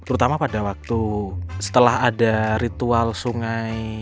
terutama pada waktu setelah ada ritual sungai